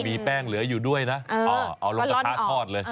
มดแดงเหลืออยู่ด้วยนะเอาลงตราทอดเลย